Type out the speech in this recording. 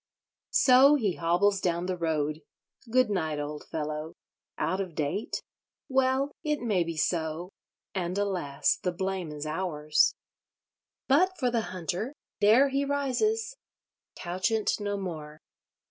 So he hobbles down the road. Good night, old fellow! Out of date? Well, it may be so. And alas! the blame is ours. But for the Hunter—there he rises—couchant no more.